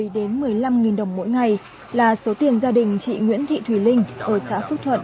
một mươi một mươi năm đồng mỗi ngày là số tiền gia đình chị nguyễn thị thùy linh ở xã phúc thuận